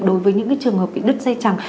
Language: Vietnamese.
đối với những trường hợp bị đứt dây chẳng